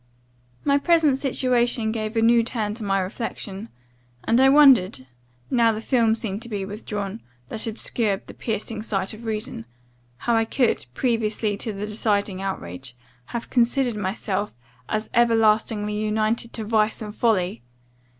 "My present situation gave a new turn to my reflection; and I wondered (now the film seemed to be withdrawn, that obscured the piercing sight of reason) how I could, previously to the deciding outrage, have considered myself as everlastingly united to vice and folly!